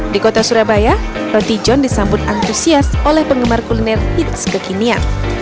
di kota surabaya roti john disambut antusias oleh penggemar kuliner hits kekinian